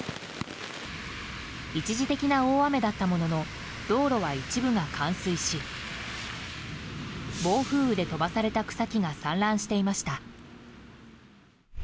一時的な大雨だったものの道路は一部が冠水し暴風雨で飛ばされた草木が散乱していました。